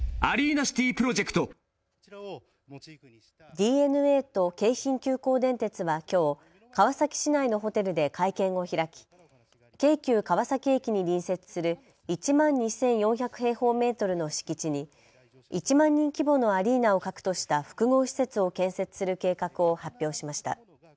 ディー・エヌ・エーと京浜急行電鉄はきょう川崎市内のホテルで会見を開き京急川崎駅に隣接する１万２４００平方メートルの敷地に１万人規模のアリーナを核とした複合施設を建設する計画を発表しました。